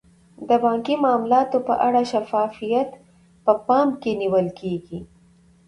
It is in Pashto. د بانکي معاملاتو په اړه شفافیت په پام کې نیول کیږي.